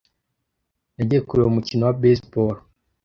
Nagiye kureba umukino wa baseball.